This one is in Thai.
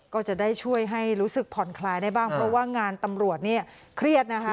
ก็จะได้ช่วยให้รู้สึกผ่อนคลายได้บ้างเพราะว่างานตำรวจเนี่ยเครียดนะคะ